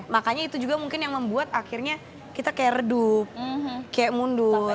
makanya itu juga mungkin yang membuat akhirnya kita kayak redup kayak mundur